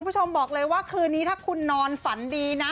คุณผู้ชมบอกเลยว่าคืนนี้ถ้าคุณนอนฝันดีนะ